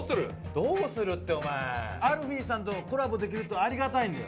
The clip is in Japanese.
どうするって、お前ＴＨＥＡＬＦＥＥさんとコラボできるとありがたいのよ。